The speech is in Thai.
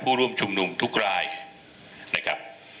ผู้ร่วมชุมหนุ่มทุกรายอ่า